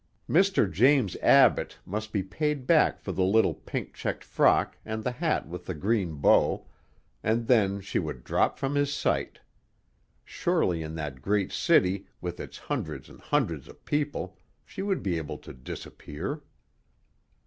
Mr. James Abbott must be paid back for the little pink checked frock and the hat with the green bow, and then she would drop from his sight. Surely in that great city, with its hundreds and hundreds of people, she would be able to disappear.